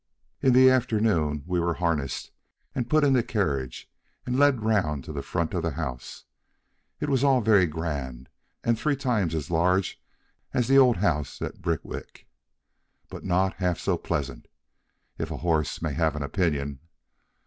In the afternoon we were harnessed and put in the carriage and led round to the front of the house. It was all very grand, and three times as large as the old house at Birtwick, but not half so pleasant, if a horse may have an opinion.